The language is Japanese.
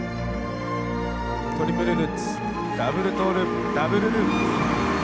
トリプルルッツダブルトウループダブルループ。